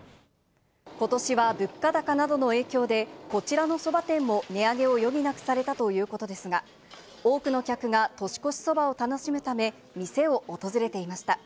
ことしは物価高などの影響で、こちらのそば店も値上げを余儀なくされたということですが、多くの客が年越しそばを楽しむため、店を訪れていました。